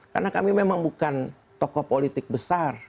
karena kami memang bukan tokoh politik besar